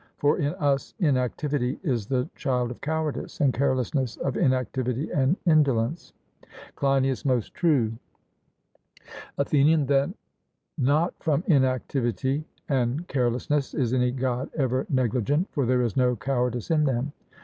For in us inactivity is the child of cowardice, and carelessness of inactivity and indolence. CLEINIAS: Most true. ATHENIAN: Then not from inactivity and carelessness is any God ever negligent; for there is no cowardice in them.